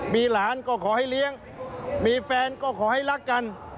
มีหลานก็ขอให้เลี้ยงมีแฟนก็ขอให้รักกัน